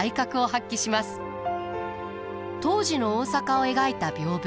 当時の大阪を描いた屏風。